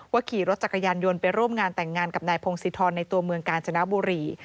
ขี่รถจักรยานยนต์ไปร่วมงานแต่งงานกับนายพงศิธรในตัวเมืองกาญจนบุรี